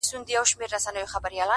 هوښیار انسان لومړی فکر بیا عمل کوي،